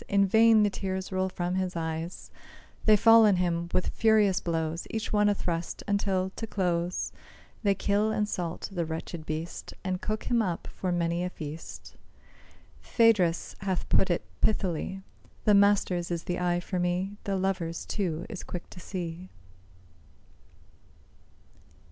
In vain the tears roll from his eyes; They fall on him with furious blows, Each one a thrust, until, to close, They kill and salt the wretched beast, And cook him up for many a feast. Phædrus hath put it pithily, The master's is the eye for me, The lover's, too, is quick to see.